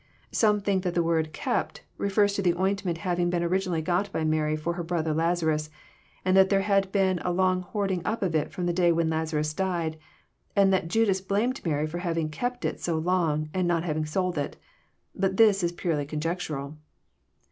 Some think that the word '<kept" refers to the ointment having been originally got by Mary for her brother Lazarus, and that there had been a long hoarding up of it Arom the day when Lazarus died, and that Judas blamed Mary for having kept*' it so long, and not having sold it. But this is purely conjectural.